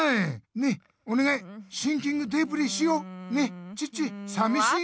ねっおねがいシンキングデープリーしよう？ねチッチさみしいよ。